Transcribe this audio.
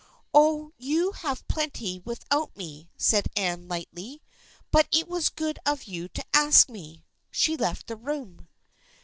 " Oh, you have plenty without me," said Anne lightly, " but it was good of you to ask me." She left the room.